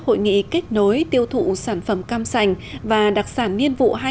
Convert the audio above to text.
hội nghị kết nối tiêu thụ sản phẩm cam sành và đặc sản niên vụ hai nghìn một mươi tám hai nghìn một mươi chín